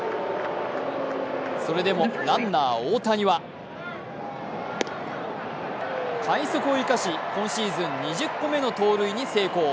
それでもランナー・大谷は快足を生かし、今シーズン２０個目の盗塁に成功。